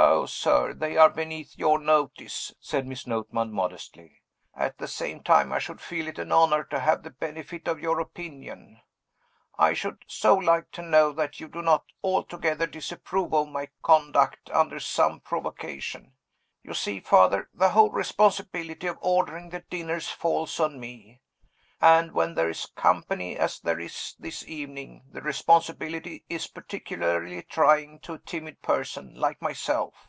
"Oh, sir, they are beneath your notice!" said Miss Notman modestly. "At the same time, I should feel it an honor to have the benefit of your opinion I should so like to know that you do not altogether disapprove of my conduct, under some provocation. You see, Father, the whole responsibility of ordering the dinners falls on me. And, when there is company, as there is this evening, the responsibility is particularly trying to a timid person like myself."